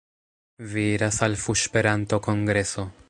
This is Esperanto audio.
Vi iras al fuŝperanto-kongreso...